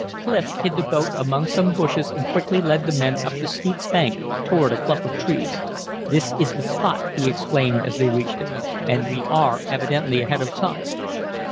Clif hid the boat among some bushes and quickly led the men up the steep bank toward a clump of trees. "This is the spot," he exclaimed as they reached it, "and we are evidently ahead of time."